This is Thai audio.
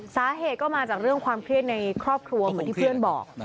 สาเหตุก็มาจากเรื่องความเครียดในครอบครัวเหมือนที่เพื่อนบอก